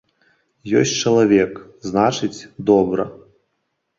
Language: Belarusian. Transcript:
Ёсць чалавек, значыць, добра.